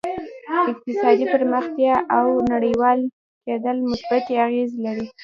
اقتصادي پرمختیا او نړیوال کېدل مثبتې اغېزې لري